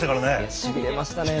しびれましたね